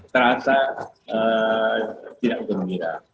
terasa tidak gembira